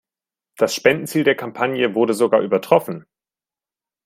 Das Spendenziel der Kampagne wurde sogar übertroffen.